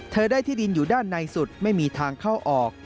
ได้ที่ดินอยู่ด้านในสุดไม่มีทางเข้าออก